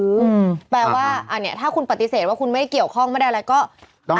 แปลว่าอันนี้ถ้าคุณปฏิเสธว่าคุณไม่ได้เกี่ยวข้องไม่ได้อะไรก็ต้อง